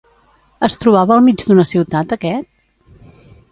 Es trobava al mig d'una ciutat aquest?